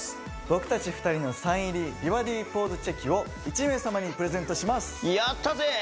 僕達２人のサイン入り美バディポーズチェキを１名様にプレゼントしますやったぜ！